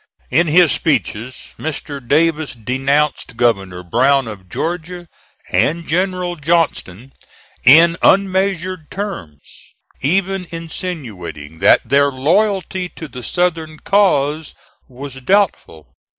In his speeches Mr. Davis denounced Governor Brown, of Georgia, and General Johnston in unmeasured terms, even insinuating that their loyalty to the Southern cause was doubtful.